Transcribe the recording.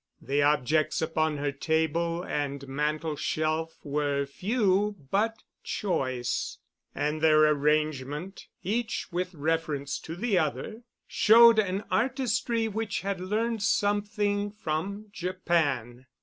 The objects upon her table and mantel shelf were few but choice, and their arrangement, each with reference to the other, showed an artistry which had learned something from Japan.